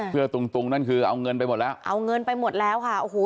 เพื่อตุงตุงนั่นคือเอาเงินไปหมดแล้วเอาเงินไปหมดแล้วค่ะโอ้โห